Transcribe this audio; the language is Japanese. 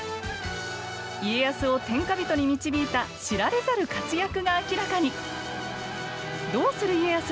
家康を天下人に導いた知られざる活躍が明らかに。